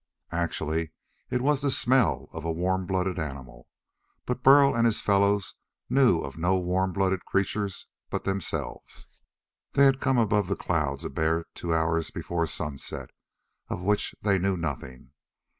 Actually, it was the smell of a warm blooded animal. But Burl and his fellows knew of no warm blooded creature but themselves. They had come above the clouds a bare two hours before sunset, of which they knew nothing.